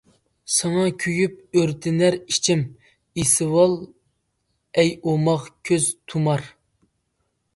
ساڭا كۆيۈپ ئۆرتىنەر ئىچىم، ئېسىۋال ئەي ئوماق، كۆز تۇمار.